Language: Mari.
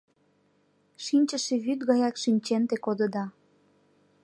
Шинчыше вӱд гаяк шинчен те кодыда.